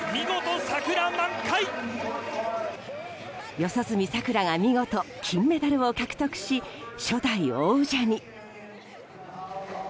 四十住さくらが見事金メダルを獲得し、初代王者に。